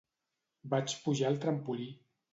Vaig pujar al trampolí.